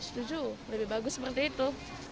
setuju lebih bagus seperti itu